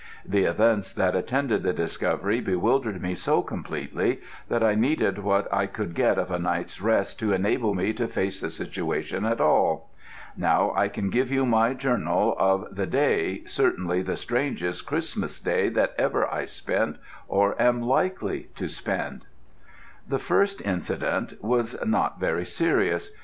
The events that attended the discovery bewildered me so completely that I needed what I could get of a night's rest to enable me to face the situation at all. Now I can give you my journal of the day, certainly the strangest Christmas Day that ever I spent or am likely to spend. The first incident was not very serious.